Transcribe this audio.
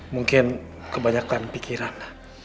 mungkin kebanyakan pikiran